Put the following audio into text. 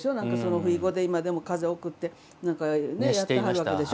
ふいごで、今でも風送ってやってはるわけでしょ。